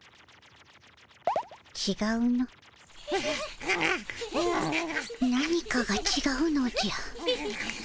ちがうの何かがちがうのじゃ。